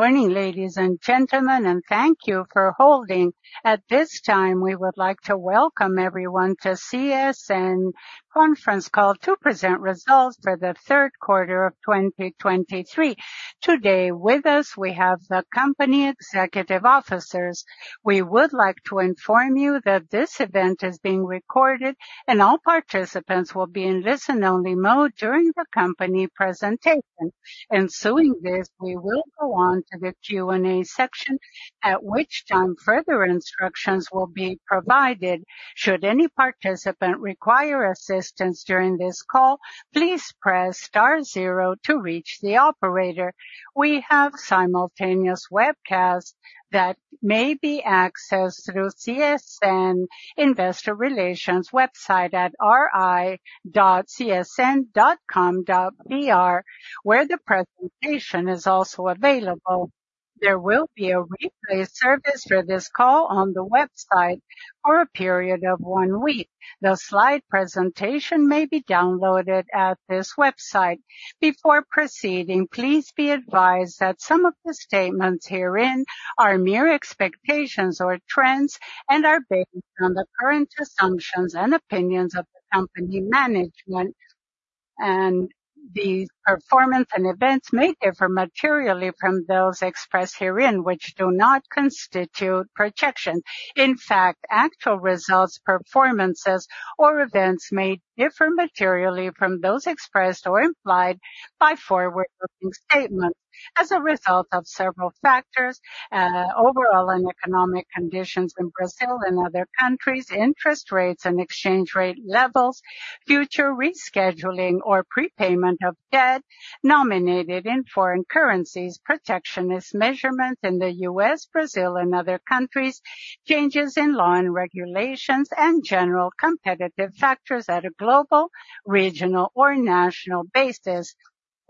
Morning, ladies and gentlemen, and thank you for holding. At this time, we would like to welcome everyone to CSN conference call to present results for the third quarter of 2023. Today, with us, we have the company executive officers. We would like to inform you that this event is being recorded, and all participants will be in listen-only mode during the company presentation. Ensuing this, we will go on to the Q&A section, at which time further instructions will be provided. Should any participant require assistance during this call, please press star zero to reach the operator. We have simultaneous webcast that may be accessed through CSN Investor Relations website at ri.csn.com.br, where the presentation is also available. There will be a replay service for this call on the website for a period of one week. The slide presentation may be downloaded at this website. Before proceeding, please be advised that some of the statements herein are mere expectations or trends and are based on the current assumptions and opinions of the company management, and the performance and events may differ materially from those expressed herein, which do not constitute projection. In fact, actual results, performances, or events may differ materially from those expressed or implied by forward-looking statements as a result of several factors, overall and economic conditions in Brazil and other countries, interest rates and exchange rate levels, future rescheduling or prepayment of debt denominated in foreign currencies, protectionist measures in the U.S., Brazil, and other countries, changes in law and regulations, and general competitive factors at a global, regional, or national basis.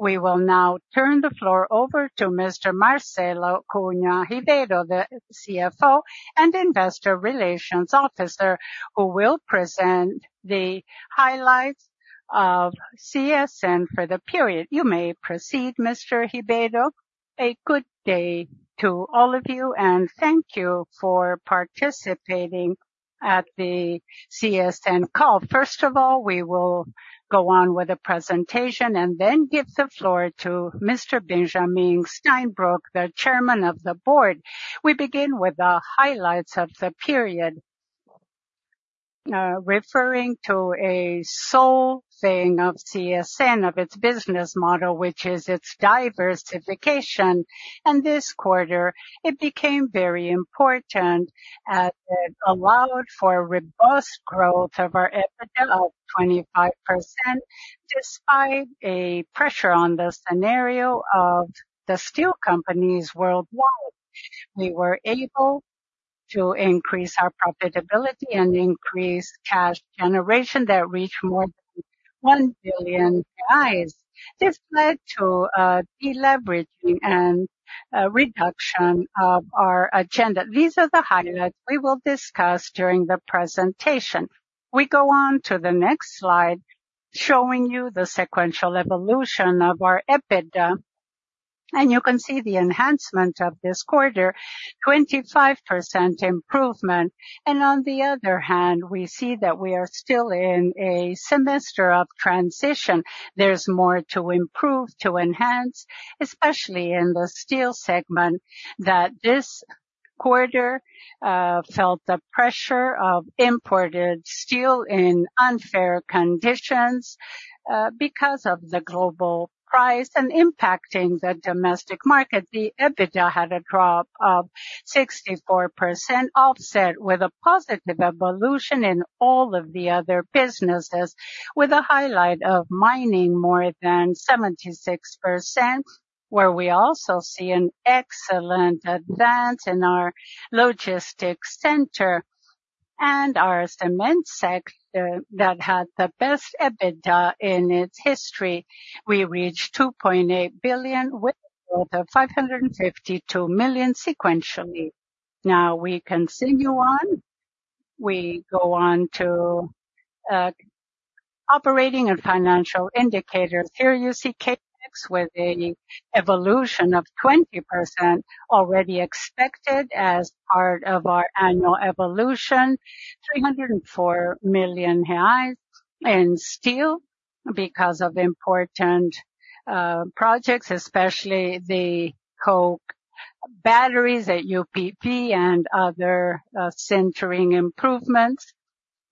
We will now turn the floor over to Mr. Marcelo Cunha Ribeiro, the CFO and Investor Relations Officer, who will present the highlights of CSN for the period. You may proceed, Mr. Ribeiro. A good day to all of you, and thank you for participating at the CSN call. First of all, we will go on with the presentation and then give the floor to Mr. Benjamin Steinbruch, The Chairman of the Board. We begin with the highlights of the period. Referring to a sole thing of CSN, of its business model, which is its diversification, and this quarter it became very important as it allowed for robust growth of our EBITDA of 25%, despite a pressure on the scenario of the steel companies worldwide. We were able to increase our profitability and increase cash generation that reached more than 1 billion. This led to deleveraging and reduction of our leverage. These are the highlights we will discuss during the presentation. We go on to the next slide, showing you the sequential evolution of our EBITDA, and you can see the enhancement of this quarter, 25% improvement. And on the other hand, we see that we are still in a semester of transition. There's more to improve, to enhance, especially in the steel segment, that this quarter felt the pressure of imported steel in unfair conditions because of the global price and impacting the domestic market. The EBITDA had a drop of 64%, offset with a positive evolution in all of the other businesses, with a highlight of mining more than 76%, where we also see an excellent advance in our logistics center and our cement sector that had the best EBITDA in its history. We reached 2.8 billion with over 552 million sequentially. Now, we continue on. We go on to operating and financial indicators. Here you see CapEx with an evolution of 20% already expected as part of our annual evolution, 304 million reais in steel because of important projects, especially the coke batteries at UPV and other sintering improvements,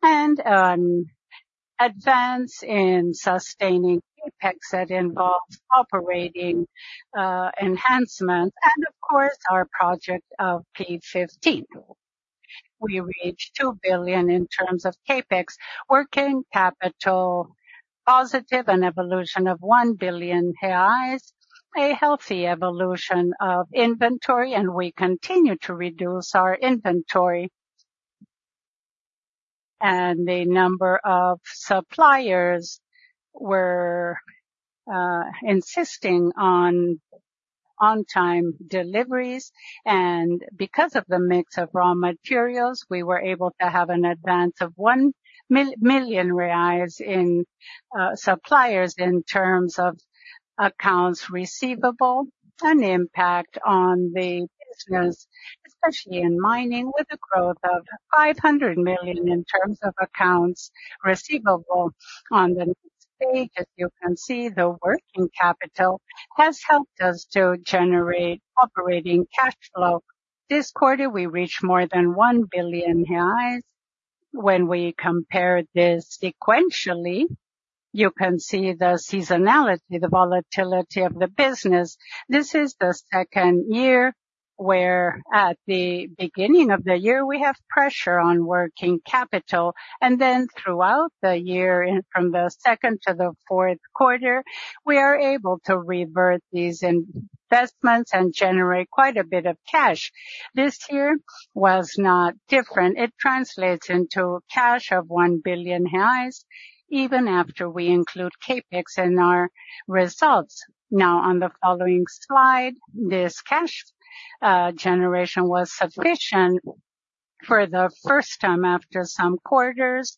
and an advance in sustaining CapEx that involves operating enhancements and, of course, our project of P15. We reached 2 billion in terms of CapEx, working capital positive, an evolution of 1 billion reais, a healthy evolution of inventory, and we continue to reduce our inventory. The number of suppliers were insisting on-... On time deliveries, and because of the mix of raw materials, we were able to have an advance of 1 million reais in suppliers in terms of accounts receivable, an impact on the business, especially in mining, with a growth of 500 million in terms of accounts receivable. On the next page, as you can see, the working capital has helped us to generate operating cash flow. This quarter, we reached more than 1 billion reais. When we compare this sequentially, you can see the seasonality, the volatility of the business. This is the second year where at the beginning of the year, we have pressure on working capital, and then throughout the year, from the second to the fourth quarter, we are able to revert these investments and generate quite a bit of cash. This year was not different. It translates into cash of 1 billion reais, even after we include CapEx in our results. Now, on the following slide, this cash, generation was sufficient for the first time after some quarters,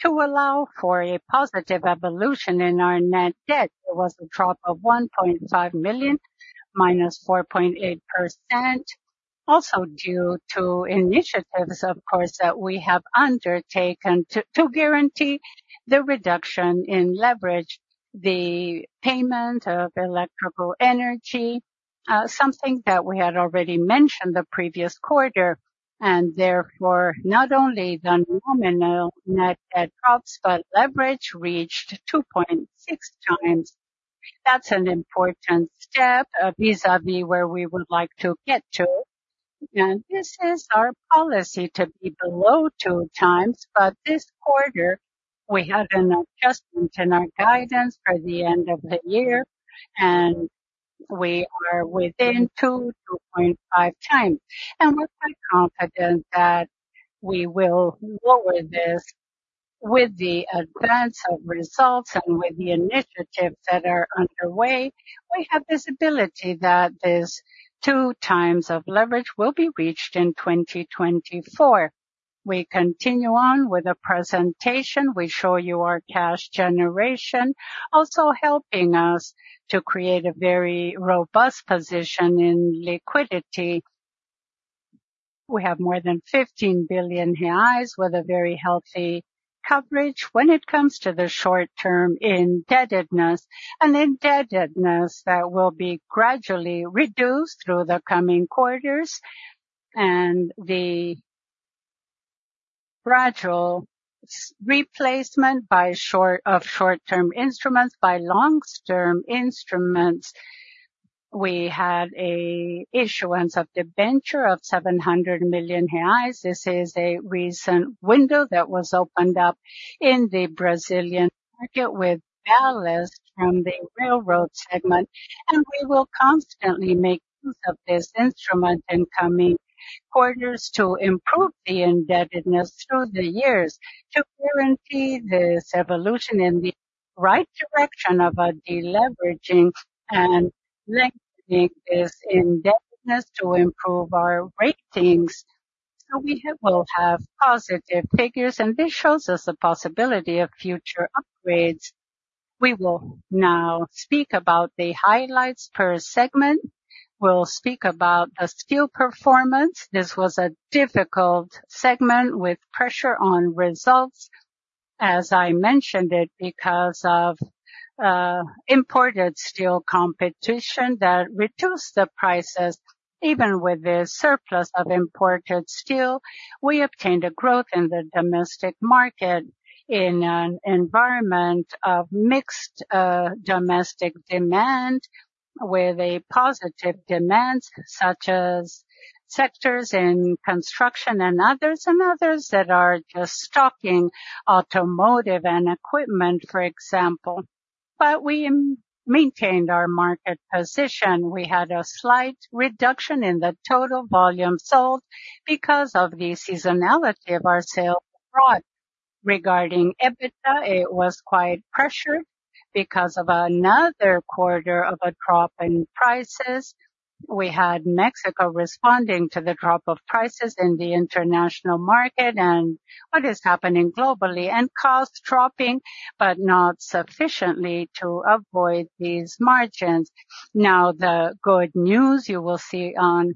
to allow for a positive evolution in our net debt. It was a drop of 1.5 million, -4.8%. Also, due to initiatives, of course, that we have undertaken to, to guarantee the reduction in leverage, the payment of electrical energy, something that we had already mentioned the previous quarter, and therefore, not only the nominal net debt drops, but leverage reached 2.6 times. That's an important step, vis-à-vis where we would like to get to. This is our policy to be below 2x, but this quarter, we had an adjustment in our guidance for the end of the year, and we are within 2-2.5x. We're quite confident that we will lower this. With the advance of results and with the initiatives that are underway, we have visibility that this 2x of leverage will be reached in 2024. We continue on with the presentation. We show you our cash generation, also helping us to create a very robust position in liquidity. We have more than 15 billion reais, with a very healthy coverage when it comes to the short-term indebtedness, an indebtedness that will be gradually reduced through the coming quarters, and the gradual replacement of short-term instruments by long-term instruments. We had an issuance of debenture of 700 million reais. This is a recent window that was opened up in the Brazilian market with ballast from the railroad segment, and we will constantly make use of this instrument in coming quarters to improve the indebtedness through the years, to guarantee this evolution in the right direction of a deleveraging and lengthening this indebtedness to improve our ratings. So we will have positive figures, and this shows us a possibility of future upgrades. We will now speak about the highlights per segment. We'll speak about a steel performance. This was a difficult segment with pressure on results, as I mentioned it, because of imported steel competition that reduced the prices. Even with the surplus of imported steel, we obtained a growth in the domestic market in an environment of mixed domestic demand, with a positive demands, such as sectors in construction and others, and others that are just stocking automotive and equipment, for example. But we maintained our market position. We had a slight reduction in the total volume sold because of the seasonality of our sales abroad. Regarding EBITDA, it was quite pressured because of another quarter of a drop in prices. We had Mexico responding to the drop of prices in the international market, and what is happening globally, and costs dropping, but not sufficiently to avoid these margins. Now, the good news you will see on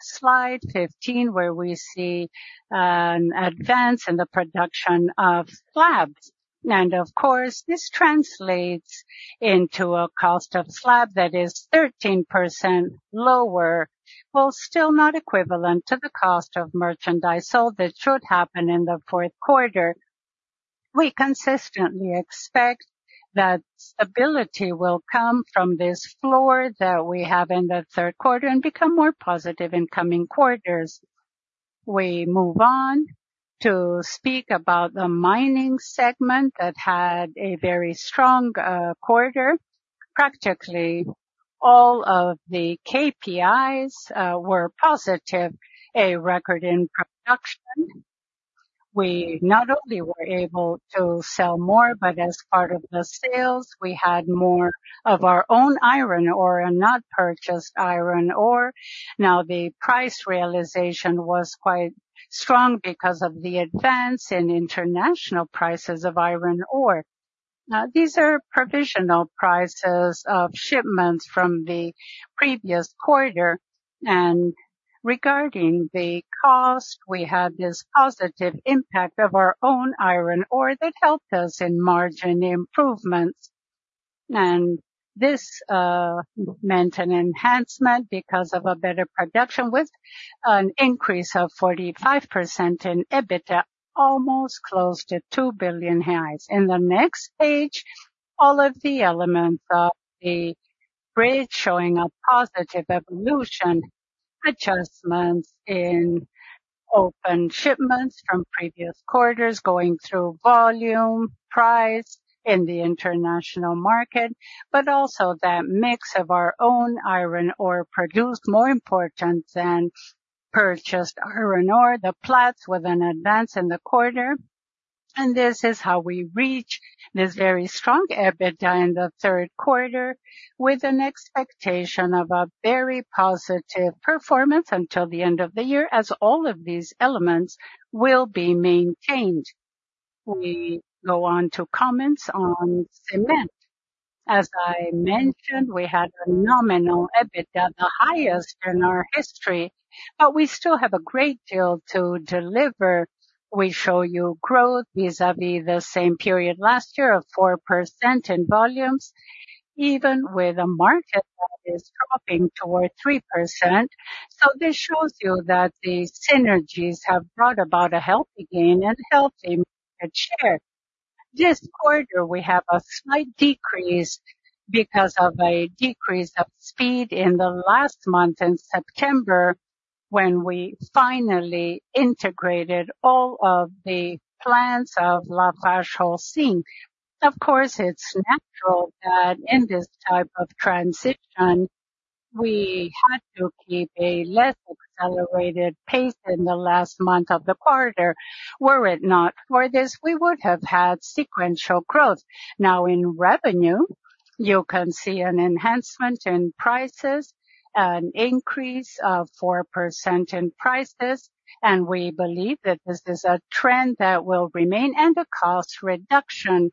slide 15, where we see an advance in the production of slabs. Of course, this translates into a cost of slab that is 13% lower, while still not equivalent to the cost of merchandise sold. This should happen in the fourth quarter. We consistently expect that stability will come from this floor that we have in the third quarter and become more positive in coming quarters. We move on to speak about the mining segment that had a very strong quarter. Practically, all of the KPIs were positive, a record in production. We not only were able to sell more, but as part of the sales, we had more of our own iron ore and not purchased iron ore. Now, the price realization was quite strong because of the advance in international prices of iron ore. Now, these are provisional prices of shipments from the previous quarter, and regarding the cost, we had this positive impact of our own iron ore that helped us in margin improvements. And this meant an enhancement because of a better production, with an increase of 45% in EBITDA, almost close to 2 billion. In the next page, all of the elements of the bridge showing a positive evolution, adjustments in open shipments from previous quarters, going through volume, price in the international market, but also that mix of our own iron ore produced more important than purchased iron ore, the Platts with an advance in the quarter. And this is how we reach this very strong EBITDA in the third quarter, with an expectation of a very positive performance until the end of the year, as all of these elements will be maintained. We go on to comments on cement. As I mentioned, we had a nominal EBITDA, the highest in our history, but we still have a great deal to deliver. We show you growth vis-à-vis the same period last year of 4% in volumes, even with a market that is dropping toward 3%. So this shows you that the synergies have brought about a healthy gain and healthy market share. This quarter, we have a slight decrease because of a decrease of speed in the last month in September, when we finally integrated all of the plants of LafargeHolcim. Of course, it's natural that in this type of transition, we had to keep a less accelerated pace in the last month of the quarter. Were it not for this, we would have had sequential growth. Now in revenue, you can see an enhancement in prices, an increase of 4% in prices, and we believe that this is a trend that will remain and a cost reduction,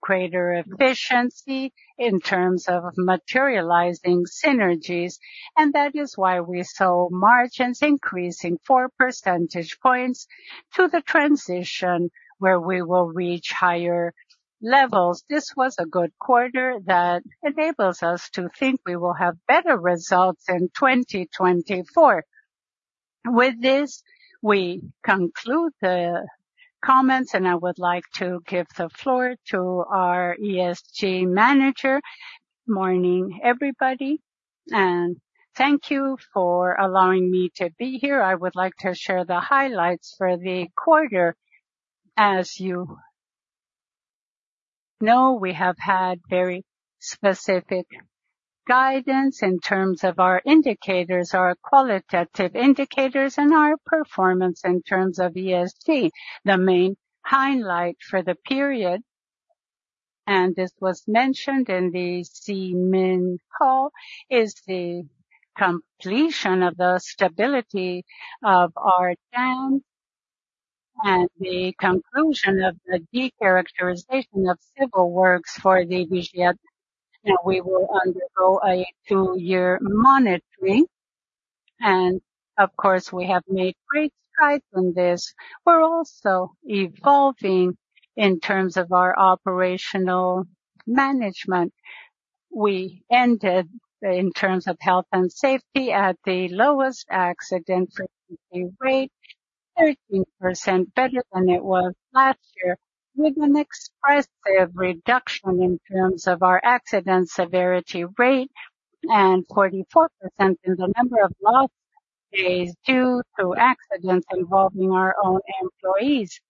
greater efficiency in terms of materializing synergies, and that is why we saw margins increasing four percentage points to the transition, where we will reach higher levels. This was a good quarter that enables us to think we will have better results in 2024. With this, we conclude the comments, and I would like to give the floor to our ESG manager. Morning, everybody, and thank you for allowing me to be here. I would like to share the highlights for the quarter. As you know, we have had very specific guidance in terms of our indicators, our qualitative indicators, and our performance in terms of ESG. The main highlight for the period, and this was mentioned in the cement call, is the completion of the stability of our dams and the conclusion of the decharacterization of civil works for the Vigia. Now, we will undergo a two-year monitoring, and of course, we have made great strides on this. We're also evolving in terms of our operational management. We ended, in terms of health and safety, at the lowest accident frequency rate, 13% better than it was last year, with an expressive reduction in terms of our accident severity rate and 44% in the number of lost days due to accidents involving our own employees.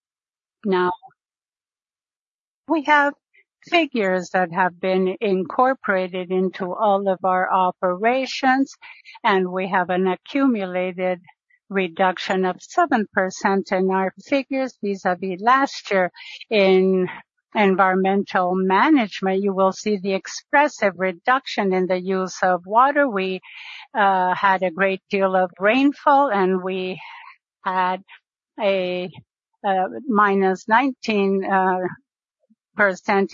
Now, we have figures that have been incorporated into all of our operations, and we have an accumulated reduction of 7% in our figures vis-a-vis last year. In environmental management, you will see the expressive reduction in the use of water. We had a great deal of rainfall, and we had a minus 19%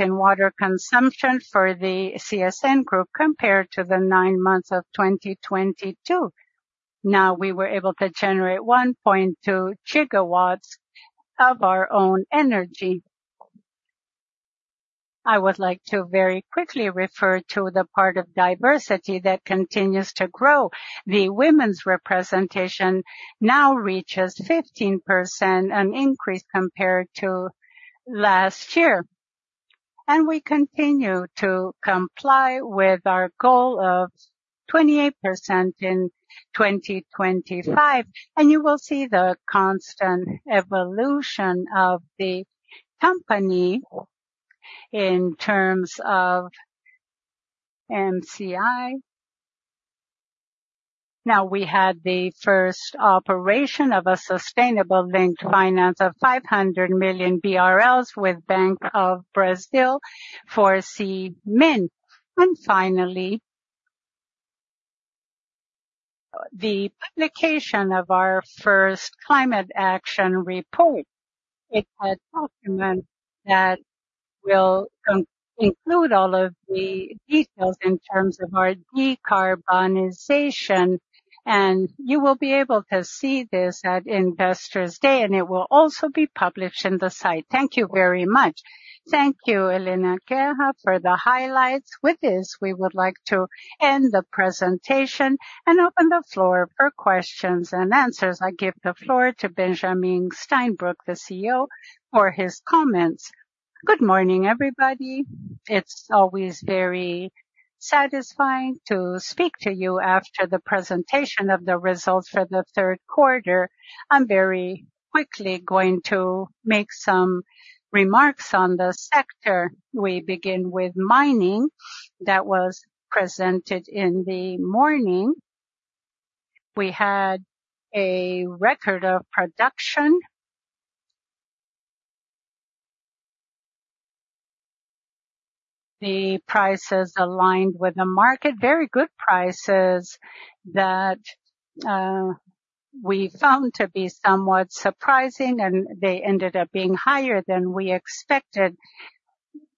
in water consumption for the CSN group compared to the nine months of 2022. Now, we were able to generate 1.2 GW of our own energy. I would like to very quickly refer to the part of diversity that continues to grow. The women's representation now reaches 15%, an increase compared to last year, and we continue to comply with our goal of 28% in 2025. You will see the constant evolution of the company in terms of MCI. Now we had the first operation of a sustainable linked finance of 500 million BRL with Bank of Brazil for cement. Finally, the publication of our first climate action report. It's a document that will include all of the details in terms of our decarbonization, and you will be able to see this at Investors Day, and it will also be published in the site. Thank you very much. Thank you, Helena Guerra, for the highlights. With this, we would like to end the presentation and open the floor for questions and answers. I give the floor to Benjamin Steinbruch, the CEO, for his comments. Good morning, everybody. It's always very satisfying to speak to you after the presentation of the results for the third quarter. I'm very quickly going to make some remarks on the sector. We begin with mining that was presented in the morning. We had a record of production. The prices aligned with the market, very good prices that we found to be somewhat surprising, and they ended up being higher than we expected.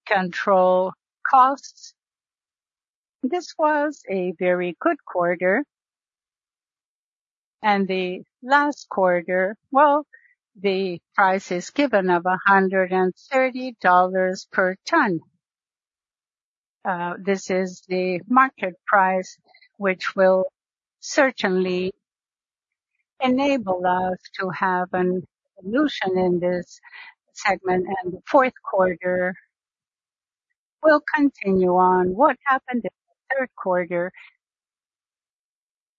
Control costs, this was a very good quarter, and the last quarter, well, the price is given of $130 per ton. This is the market price, which will certainly enable us to have a solution in this segment, and the fourth quarter will continue on what happened in the third quarter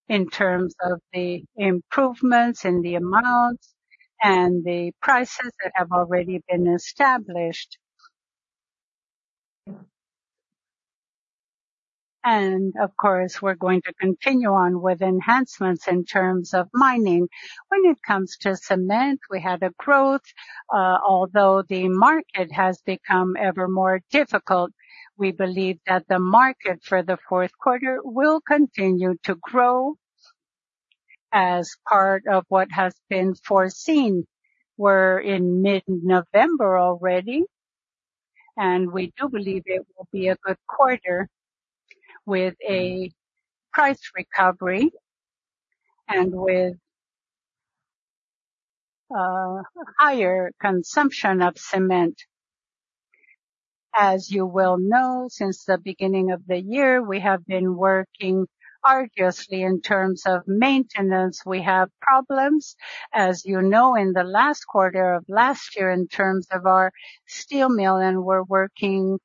in terms of the improvements in the amounts and the prices that have already been established. And of course, we're going to continue on with enhancements in terms of mining. When it comes to cement, we had a growth. Although the market has become ever more difficult, we believe that the market for the fourth quarter will continue to grow as part of what has been foreseen. We're in mid-November already, and we do believe it will be a good quarter with a price recovery and with higher consumption of cement. As you well know, since the beginning of the year, we have been working arduously in terms of maintenance. We have problems, as you know, in the last quarter of last year, in terms of our steel mill, and we're working,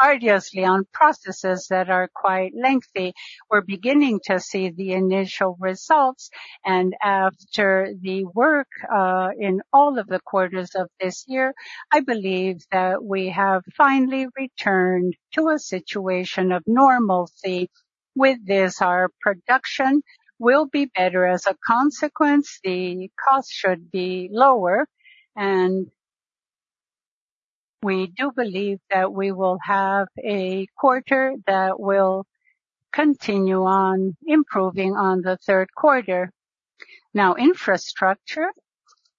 arduously on processes that are quite lengthy. We're beginning to see the initial results, and after the work, in all of the quarters of this year, I believe that we have finally returned to a situation of normalcy. With this, our production will be better. As a consequence, the cost should be lower, and we do believe that we will have a quarter that will continue on improving on the third quarter. Now, infrastructure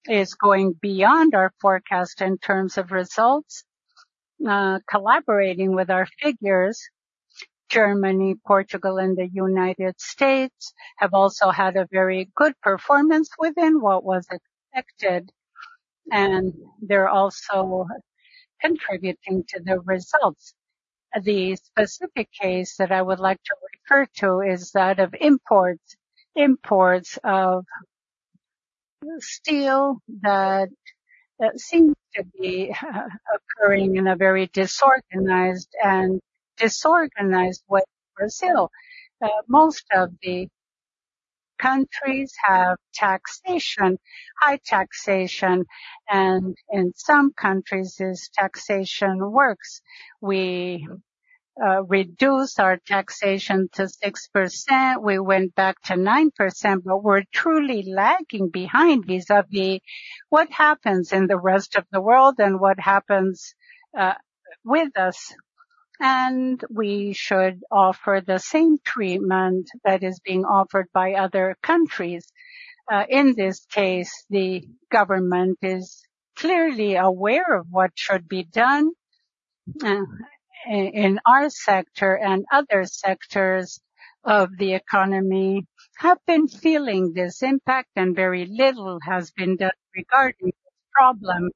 is going beyond our forecast in terms of results. Collaborating with our figures, Germany, Portugal, and the United States have also had a very good performance within what was expected, and they're also contributing to the results. The specific case that I would like to refer to is that of imports. Imports of steel that seems to be occurring in a very disorganized way in Brazil. Most of the countries have taxation, high taxation, and in some countries, this taxation works. We reduced our taxation to 6%, we went back to 9%, but we're truly lagging behind vis-à-vis what happens in the rest of the world and what happens with us, and we should offer the same treatment that is being offered by other countries. In this case, the government is clearly aware of what should be done in our sector and other sectors of the economy have been feeling this impact, and very little has been done regarding this problem.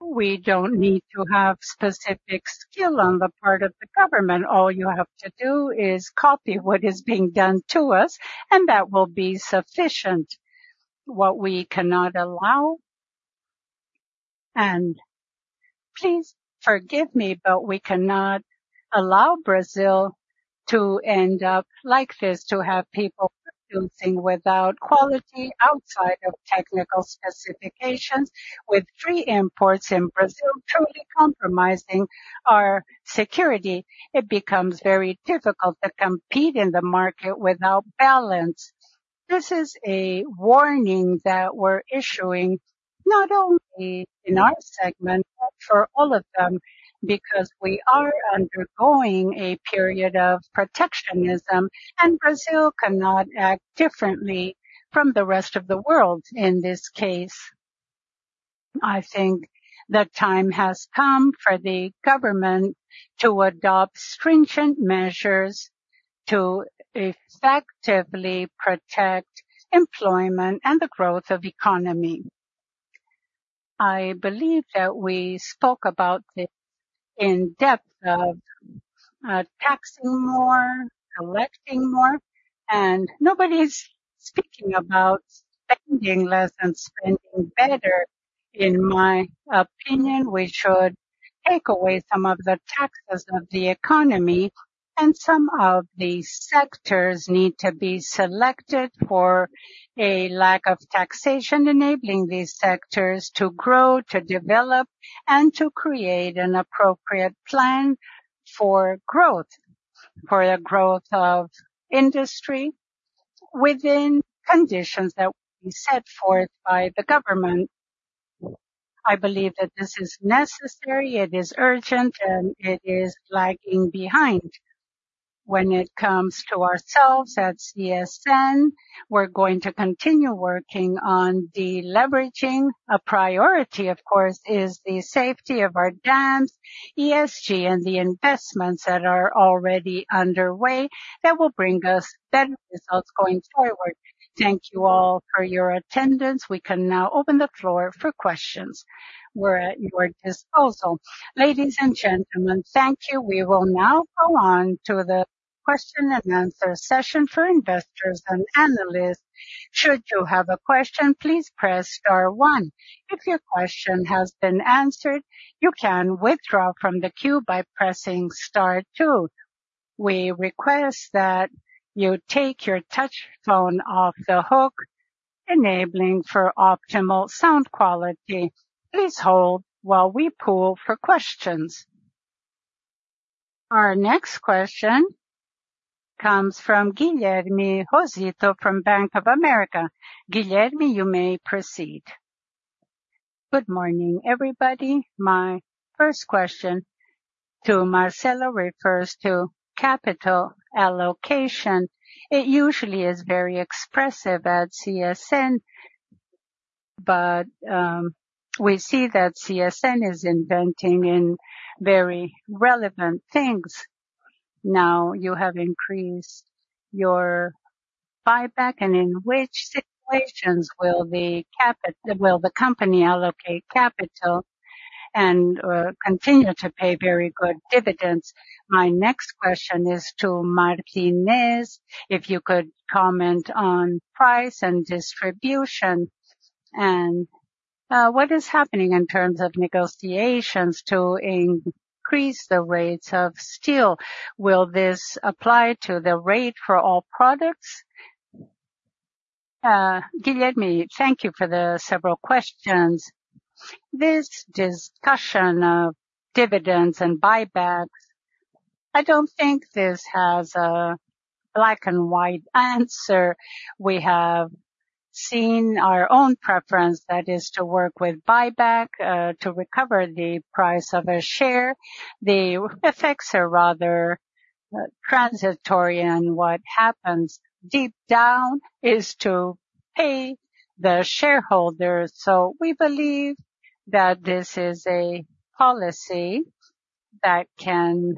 We don't need to have specific skill on the part of the government. All you have to do is copy what is being done to us, and that will be sufficient. What we cannot allow, and please forgive me, but we cannot allow Brazil to end up like this, to have people producing without quality, outside of technical specifications, with free imports in Brazil truly compromising our security, it becomes very difficult to compete in the market without balance. This is a warning that we're issuing, not only in our segment, but for all of them, because we are undergoing a period of protectionism, and Brazil cannot act differently from the rest of the world in this case. I think the time has come for the government to adopt stringent measures to effectively protect employment and the growth of economy. I believe that we spoke about this in depth of taxing more, collecting more, and nobody's speaking about spending less and spending better. In my opinion, we should take away some of the taxes of the economy, and some of these sectors need to be selected for a lack of taxation, enabling these sectors to grow, to develop, and to create an appropriate plan for growth, for the growth of industry within conditions that will be set forth by the government. I believe that this is necessary, it is urgent, and it is lagging behind. When it comes to ourselves at CSN, we're going to continue working on deleveraging. A priority, of course, is the safety of our dams, ESG, and the investments that are already underway that will bring us better results going forward. Thank you all for your attendance. We can now open the floor for questions. We're at your disposal. Ladies and gentlemen, thank you. We will now go on to the question and answer session for investors and analysts. Should you have a question, please press star one. If your question has been answered, you can withdraw from the queue by pressing star two. We request that you take your touch-tone phone off the hook, enabling for optimal sound quality. Please hold while we poll for questions. Our next question comes from Guilherme Rosito from Bank of America. Guilherme, you may proceed. Good morning, everybody. My first question to Marcelo refers to capital allocation. It usually is very expressive at CSN, but we see that CSN is investing in very relevant things. Now, you have increased your buyback, and in which situations will the company allocate capital and continue to pay very good dividends? My next question is to Martinez. If you could comment on price and distribution, and what is happening in terms of negotiations to increase the rates of steel? Will this apply to the rate for all products? Guilherme, thank you for the several questions. This discussion of dividends and buybacks, I don't think this has a black-and-white answer. We have seen our own preference, that is to work with buyback, to recover the price of a share. The effects are rather transitory, and what happens deep down is to pay the shareholders. So we believe that this is a policy that can,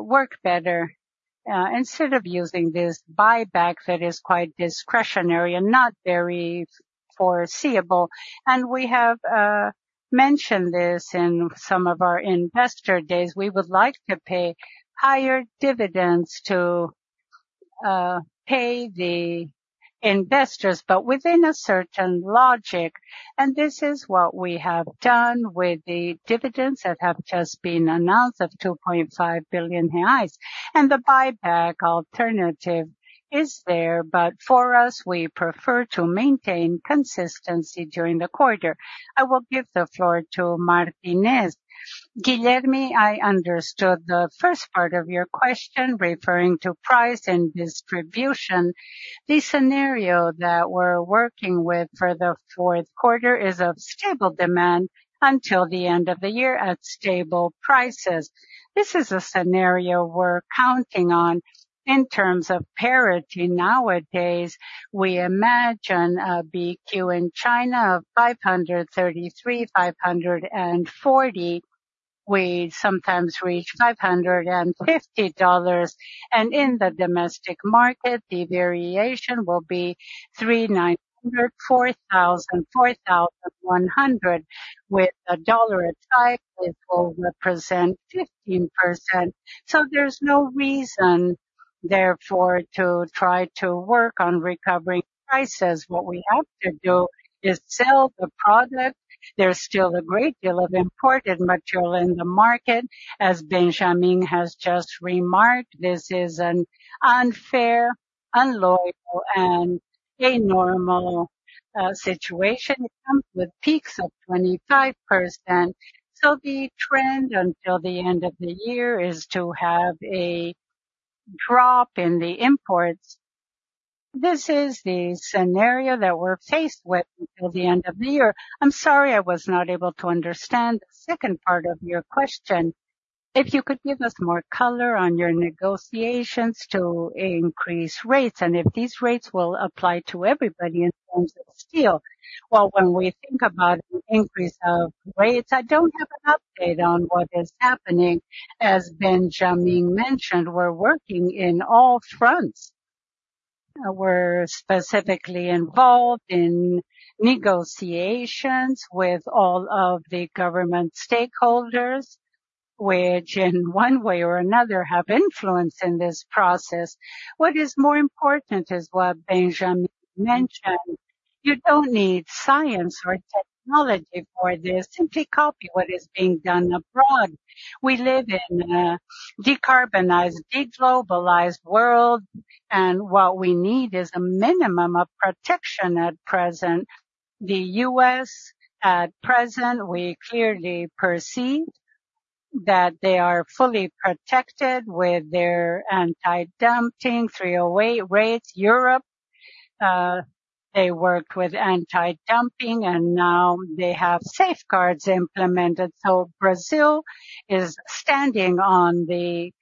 work better, instead of using this buyback that is quite discretionary and not very foreseeable. And we have, mentioned this in some of our investor days. We would like to pay higher dividends to, pay the investors, but within a certain logic, and this is what we have done with the dividends that have just been announced of 2.5 billion reais. And the buyback alternative is there, but for us, we prefer to maintain consistency during the quarter. I will give the floor to Martinez. Guilherme, I understood the first part of your question referring to price and distribution. The scenario that we're working with for the fourth quarter is of stable demand until the end of the year at stable prices. This is a scenario we're counting on in terms of parity. Nowadays, we imagine a BQ in China of $533-$540. We sometimes reach $550, and in the domestic market, the variation will be 3,900-4,100. With a dollar at five, it will represent 15%. So there's no reason, therefore, to try to work on recovering prices. What we have to do is sell the product. There's still a great deal of imported material in the market. As Benjamin has just remarked, this is an unfair, unlawful, and abnormal situation that comes with peaks of 25%. So the trend until the end of the year is to have a drop in the imports. This is the scenario that we're faced with until the end of the year. I'm sorry, I was not able to understand the second part of your question. If you could give us more color on your negotiations to increase rates, and if these rates will apply to everybody in terms of steel? Well, when we think about an increase of rates, I don't have an update on what is happening. As Benjamin mentioned, we're working in all fronts. We're specifically involved in negotiations with all of the government stakeholders, which in one way or another, have influence in this process. What is more important is what Benjamin mentioned. You don't need science or technology for this. Simply copy what is being done abroad. We live in a decarbonized, deglobalized world, and what we need is a minimum of protection at present. The U.S., at present, we clearly perceive that they are fully protected with their anti-dumping three away rates. Europe, they work with anti-dumping, and now they have safeguards implemented. So Brazil is standing on the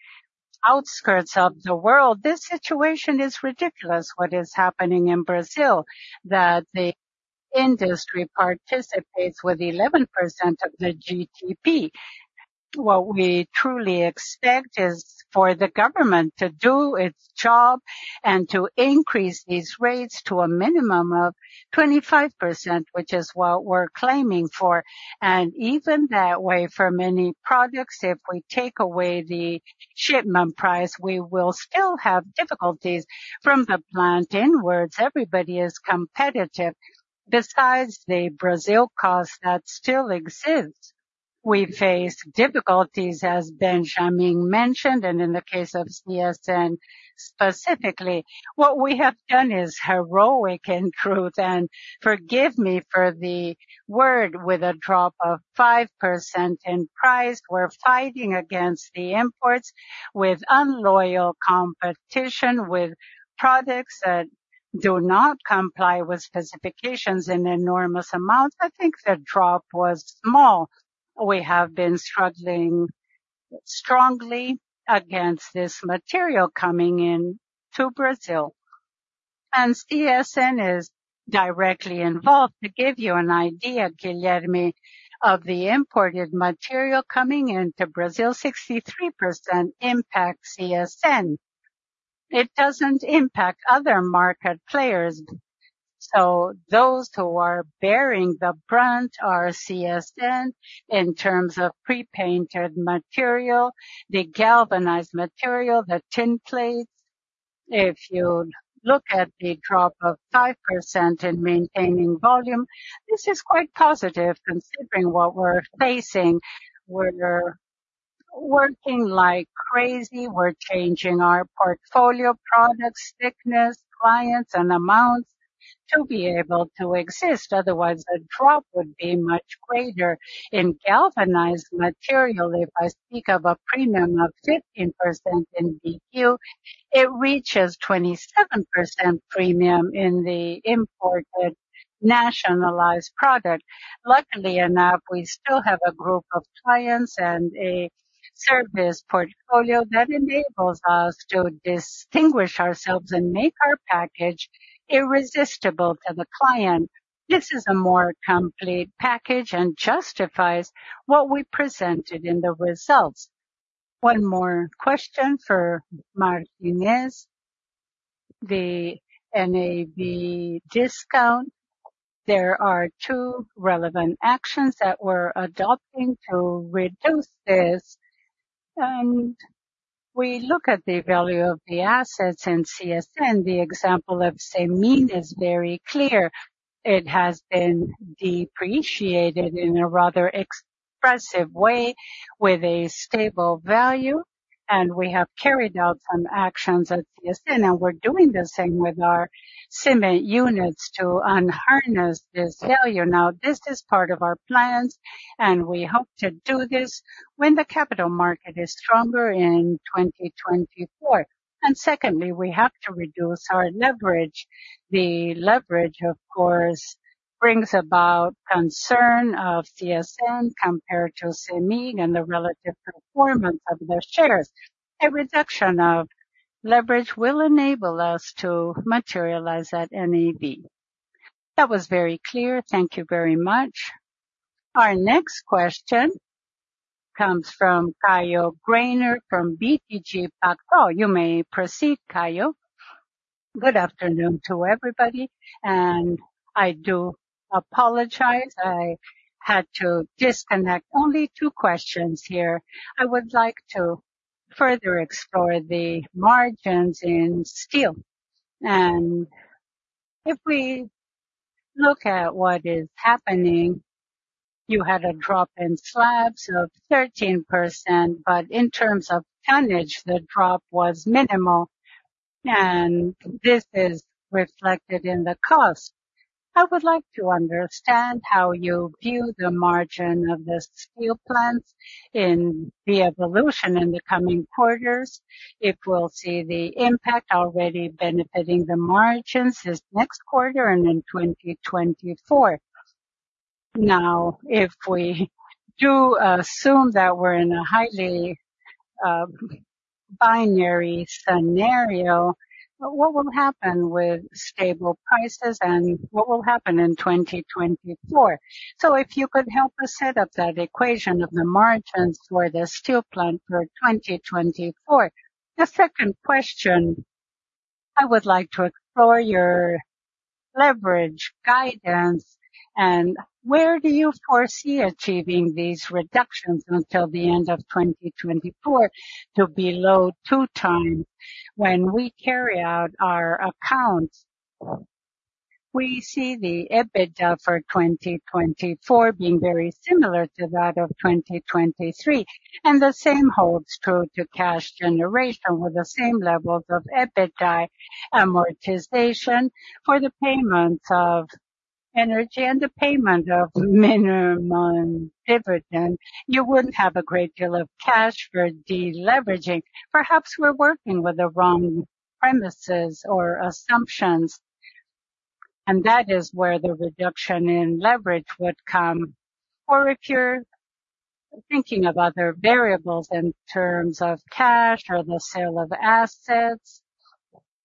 outskirts of the world. This situation is ridiculous, what is happening in Brazil, that the industry participates with 11% of the GDP. What we truly expect is for the government to do its job and to increase these rates to a minimum of 25%, which is what we're claiming for. And even that way, for many products, if we take away the shipment price, we will still have difficulties from the plant inwards. Everybody is competitive. Besides, the Brazil cost that still exists, we face difficulties, as Benjamin mentioned, and in the case of CSN specifically, what we have done is heroic in truth, and forgive me for the word, with a drop of 5% in price. We're fighting against the imports with unfair competition, with products that do not comply with specifications in enormous amounts. I think the drop was small. We have been struggling strongly against this material coming in to Brazil, and CSN is directly involved. To give you an idea, Guilherme, of the imported material coming into Brazil, 63% impact CSN. It doesn't impact other market players. So those who are bearing the brunt are CSN in terms of pre-painted material, the galvanized material, the tin plates. If you look at the drop of 5% in maintaining volume, this is quite positive considering what we're facing. We're working like crazy. We're changing our portfolio, products, thickness, clients and amounts to be able to exist. Otherwise, a drop would be much greater. In galvanized material, if I speak of a premium of 15% in DQ, it reaches 27% premium in the imported nationalized product. Luckily enough, we still have a group of clients and a service portfolio that enables us to distinguish ourselves and make our package irresistible to the client. This is a more complete package and justifies what we presented in the results. One more question for Martinez. The NAV discount. There are two relevant actions that we're adopting to reduce this, and we look at the value of the assets in CSN. The example of CEMIG is very clear. It has been depreciated in a rather expressive way with a stable value, and we have carried out some actions at CSN, and we're doing the same with our cement units to unharness this value. Now, this is part of our plans, and we hope to do this when the capital market is stronger in 2024. And secondly, we have to reduce our leverage. The leverage, of course, brings about concern of CSN compared to CEMIG and the relative performance of their shares. A reduction of leverage will enable us to materialize that NAV. That was very clear. Thank you very much. Our next question comes from Caio Greiner from BTG Pactual. You may proceed, Caio. Good afternoon to everybody, and I do apologize. I had to disconnect. Only two questions here. I would like to further explore the margins in steel. And if we-... Look at what is happening, you had a drop in slabs of 13%, but in terms of tonnage, the drop was minimal, and this is reflected in the cost. I would like to understand how you view the margin of the steel plants in the evolution in the coming quarters, if we'll see the impact already benefiting the margins this next quarter and in 2024. Now, if we do assume that we're in a highly, binary scenario, what will happen with stable prices and what will happen in 2024? So if you could help us set up that equation of the margins for the steel plant for 2024. The second question, I would like to explore your leverage, guidance, and where do you foresee achieving these reductions until the end of 2024 to below 2x? When we carry out our accounts, we see the EBITDA for 2024 being very similar to that of 2023, and the same holds true to cash generation with the same levels of EBITDA amortization. For the payments of energy and the payment of minimum dividend, you wouldn't have a great deal of cash for deleveraging. Perhaps we're working with the wrong premises or assumptions, and that is where the reduction in leverage would come. Or if you're thinking of other variables in terms of cash or the sale of assets,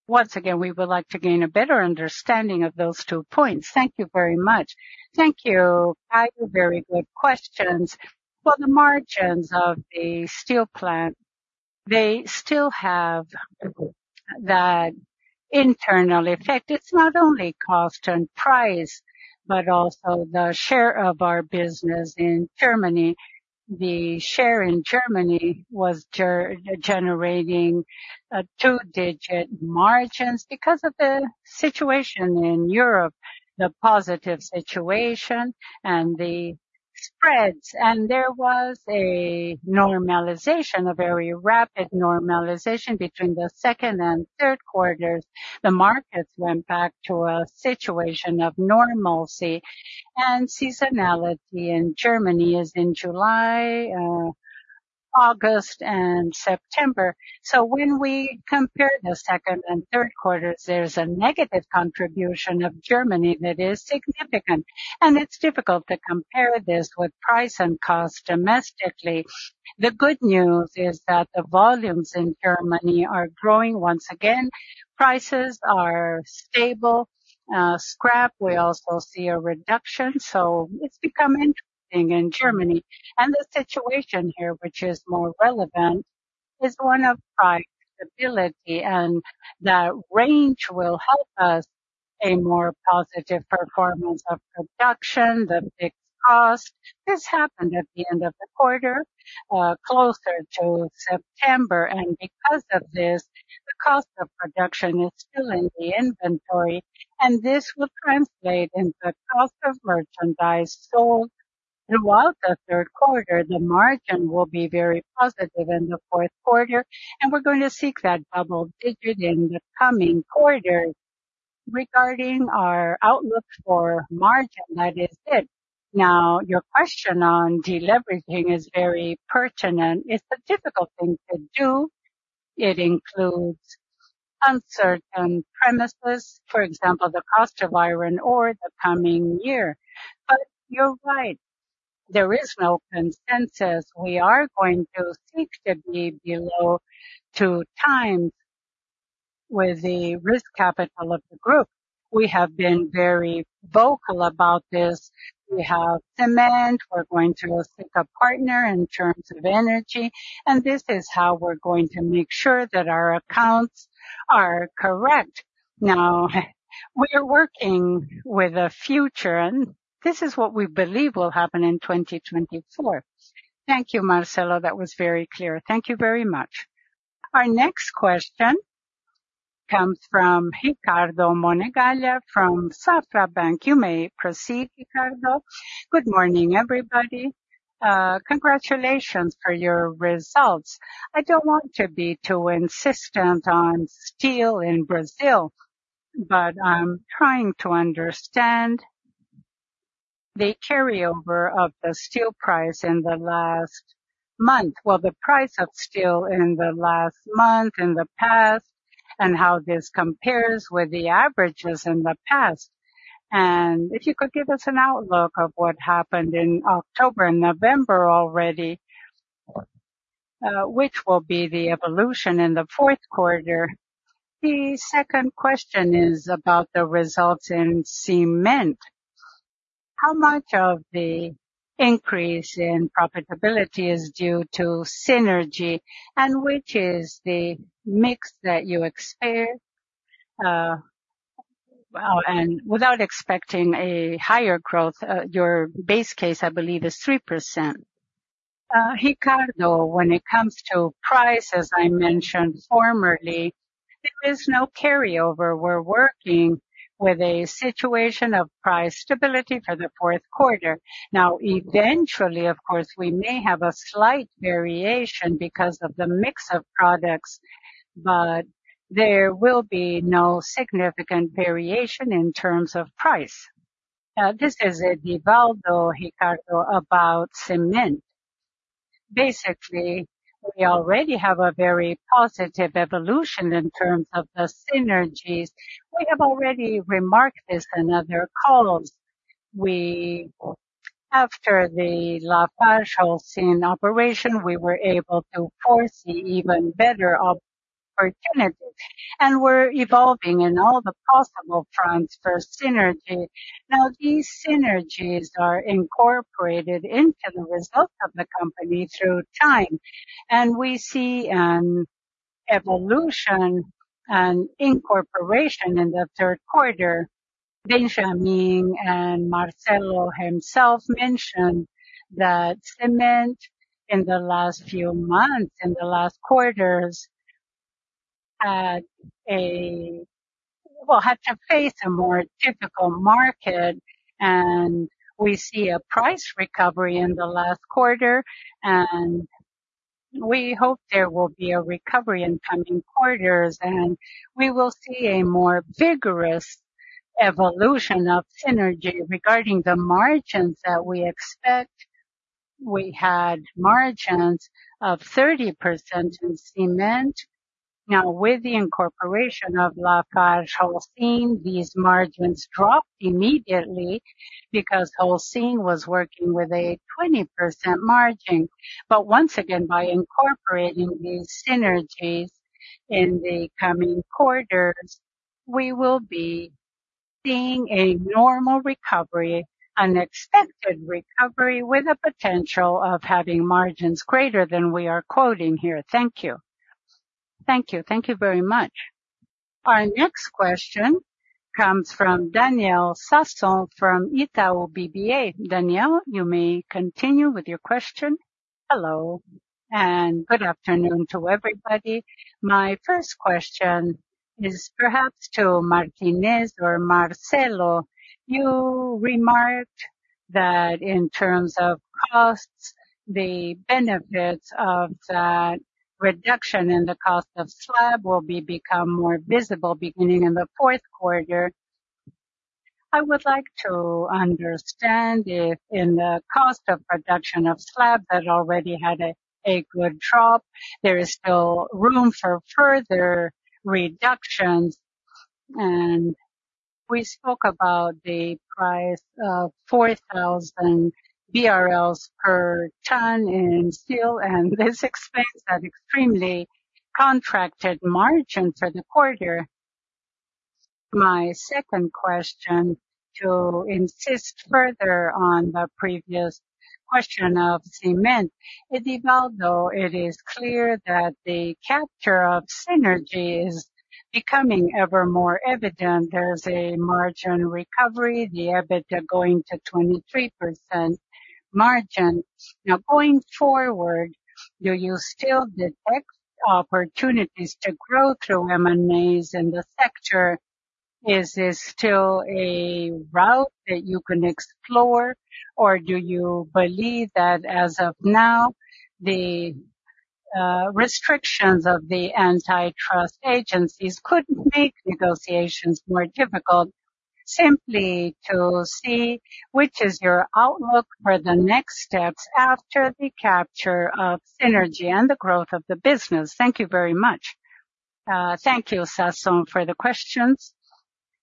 once again, we would like to gain a better understanding of those two points. Thank you very much. Thank you. Very good questions. For the margins of the steel plant, they still have that internal effect. It's not only cost and price, but also the share of our business in Germany. The share in Germany was generating two-digit margins because of the situation in Europe, the positive situation and the spreads. There was a normalization, a very rapid normalization between the second and third quarters. The markets went back to a situation of normalcy, and seasonality in Germany is in July, August, and September. So when we compare the second and third quarters, there's a negative contribution of Germany that is significant, and it's difficult to compare this with price and cost domestically. The good news is that the volumes in Germany are growing once again. Prices are stable. Scrap, we also see a reduction, so it's become interesting in Germany. The situation here, which is more relevant, is one of price stability, and that range will help us a more positive performance of production, the fixed cost. This happened at the end of the quarter, closer to September, and because of this, the cost of production is still in the inventory, and this will translate into the cost of merchandise sold. Throughout the third quarter, the margin will be very positive in the fourth quarter, and we're going to seek that double-digit in the coming quarters. Regarding our outlook for margin, that is it. Now, your question on deleveraging is very pertinent. It's a difficult thing to do. It includes uncertain premises, for example, the cost of iron ore the coming year. But you're right, there is no consensus. We are going to seek to be below 2x with the risk capital of the group. We have been very vocal about this. We have demand. We're going to seek a partner in terms of energy, and this is how we're going to make sure that our accounts are correct. Now, we are working with the future, and this is what we believe will happen in 2024. Thank you, Marcelo. That was very clear. Thank you very much. Our next question comes from Ricardo Monegaglia from Safra Bank. You may proceed, Ricardo. Good morning, everybody. Congratulations for your results. I don't want to be too insistent on steel in Brazil, but I'm trying to understand the carryover of the steel price in the last month. Well, the price of steel in the last month, in the past, and how this compares with the averages in the past. And if you could give us an outlook of what happened in October and November already, which will be the evolution in the fourth quarter. The second question is about the results in cement. How much of the increase in profitability is due to synergy, and which is the mix that you expect? Well, without expecting a higher growth, your base case, I believe, is 3%. Ricardo, when it comes to price, as I mentioned formerly, there is no carryover. We're working with a situation of price stability for the fourth quarter. Now, eventually, of course, we may have a slight variation because of the mix of products, but there will be no significant variation in terms of price. This is Edvaldo, Ricardo, about cement. Basically, we already have a very positive evolution in terms of the synergies. We have already remarked this in other calls. After the LafargeHolcim operation, we were able to foresee even better opportunities, and we're evolving in all the possible fronts for synergy. Now, these synergies are incorporated into the results of the company through time, and we see an evolution and incorporation in the third quarter. Benjamin and Marcelo himself mentioned that cement in the last few months, in the last quarters, had a... Well, had to face a more difficult market, and we see a price recovery in the last quarter, and we hope there will be a recovery in coming quarters, and we will see a more vigorous evolution of synergy. Regarding the margins that we expect, we had margins of 30% in cement. Now, with the incorporation of LafargeHolcim, these margins dropped immediately because Holcim was working with a 20% margin. But once again, by incorporating these synergies in the coming quarters, we will be seeing a normal recovery, an expected recovery, with a potential of having margins greater than we are quoting here. Thank you. Thank you. Thank you very much. Our next question comes from Daniel Sasson from Itau BBA. Daniel, you may continue with your question. Hello, and good afternoon to everybody. My first question is perhaps to Martinez or Marcelo. You remarked that in terms of costs, the benefits of that reduction in the cost of slab will be become more visible beginning in the fourth quarter. I would like to understand if in the cost of production of slab that already had a, a good drop, there is still room for further reductions. And we spoke about the price of 4,000 BRL per ton in steel, and this explains that extremely contracted margin for the quarter. My second question, to insist further on the previous question of cement. Edvaldo, it is clear that the capture of synergy is becoming ever more evident. There's a margin recovery, the EBITDA going to 23% margin. Now, going forward, do you still detect opportunities to grow through M&As in the sector? Is this still a route that you can explore, or do you believe that as of now, the restrictions of the antitrust agencies could make negotiations more difficult? Simply to see, which is your outlook for the next steps after the capture of synergy and the growth of the business. Thank you very much. Thank you, Sasson, for the questions.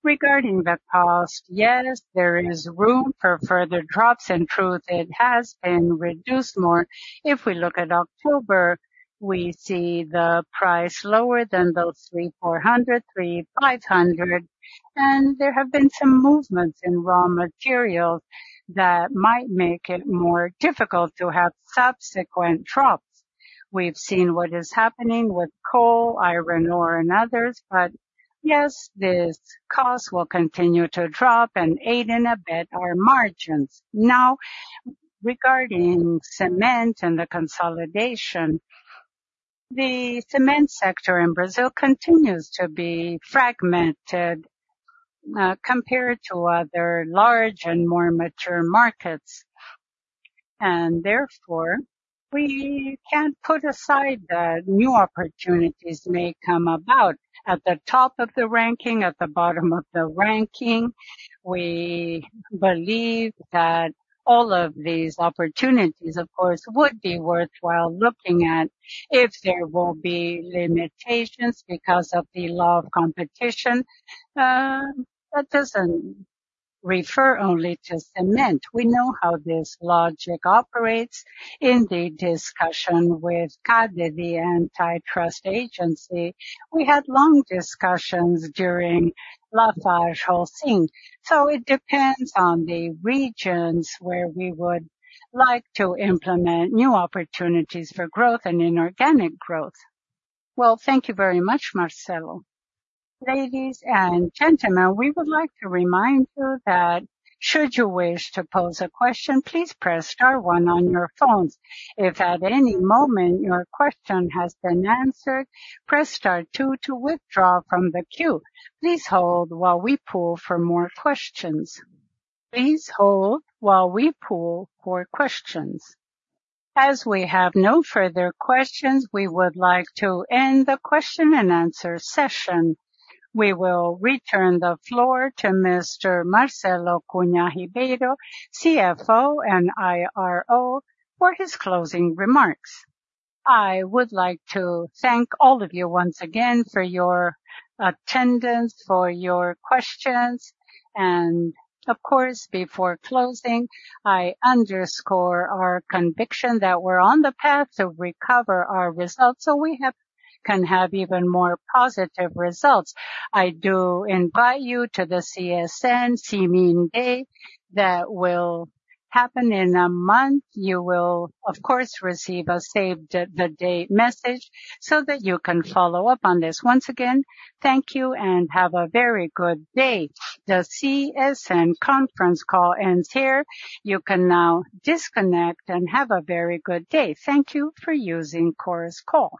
Regarding the cost, yes, there is room for further drops. In truth, it has been reduced more. If we look at October, we see the price lower than those $3,400, $3,500, and there have been some movements in raw materials that might make it more difficult to have subsequent drops. We've seen what is happening with coal, iron ore, and others, but yes, this cost will continue to drop and aid and abet our margins. Now, regarding cement and the consolidation, the cement sector in Brazil continues to be fragmented, compared to other large and more mature markets, and therefore, we can't put aside that new opportunities may come about. At the top of the ranking, at the bottom of the ranking, we believe that all of these opportunities, of course, would be worthwhile looking at if there will be limitations because of the law of competition. That doesn't refer only to cement. We know how this logic operates. In the discussion with CADE, the antitrust agency, we had long discussions during LafargeHolcim. So it depends on the regions where we would like to implement new opportunities for growth and inorganic growth. Well, thank you very much, Marcelo. Ladies and gentlemen, we would like to remind you that should you wish to pose a question, please press star one on your phones. If at any moment your question has been answered, press star two to withdraw from the queue. Please hold while we pull for more questions. Please hold while we pull for questions. As we have no further questions, we would like to end the question and answer session. We will return the floor to Mr. Marcelo Cunha Ribeiro, CFO and IRO, for his closing remarks. I would like to thank all of you once again for your attendance, for your questions, and of course, before closing, I underscore our conviction that we're on the path to recover our results, so we can have even more positive results. I do invite you to the CSN Cement Day that will happen in a month. You will, of course, receive a save the date message so that you can follow up on this. Once again, thank you and have a very good day. The CSN conference call ends here. You can now disconnect and have a very good day. Thank you for using Chorus Call.